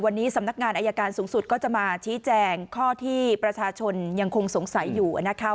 วันนี้สำนักงานอายการสูงสุดก็จะมาชี้แจงข้อที่ประชาชนยังคงสงสัยอยู่นะคะ